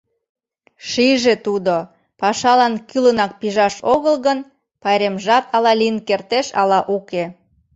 Шиже тудо: пашалан кӱлынак пижаш огыл гын, пайремжат ала лийын кертеш, ала уке.